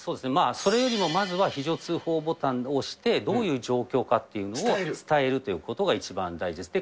それよりもまずは非常通報ボタンを押して、どういう状況かというのを伝えるということが一番大事です。